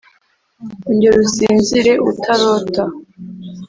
ongera usinzire utarota.